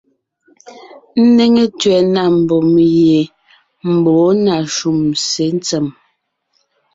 Ńnéŋe tẅɛ̀ na mbùm ye mbɔ̌ na shúm sé ntsèm.